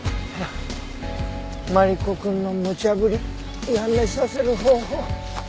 マリコくんのむちゃぶりやめさせる方法。